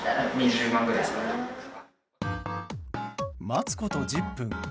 待つこと１０分